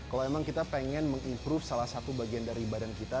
kalau memang kita pengen mengimprove salah satu bagian dari badan kita